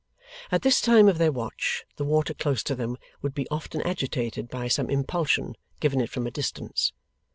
At this time of their watch, the water close to them would be often agitated by some impulsion given it from a distance.